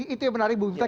itu yang menarik bu gita